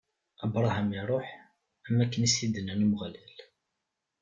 Abṛaham iṛuḥ, am wakken i s-t-id-inna Umeɣlal.